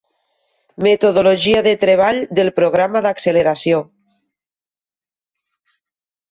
Metodologia de treball del programa d'acceleració.